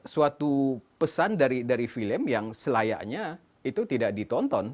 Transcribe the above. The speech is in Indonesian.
suatu pesan dari film yang selayaknya itu tidak ditonton